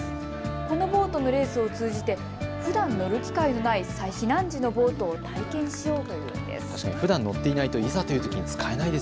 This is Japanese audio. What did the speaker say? このボートのレースを通じてふだん乗る機会のない避難時のボートを体験しようというです。